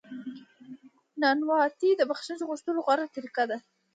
نانواتې د بخښنې غوښتلو غوره طریقه ده.